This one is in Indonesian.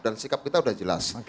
dan sikap kita sudah jelas